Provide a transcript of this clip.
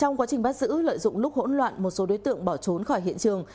trong quá trình bắt giữ lợi dụng lúc hỗn loạn một số đối tượng bỏ trốn khỏi hiện trường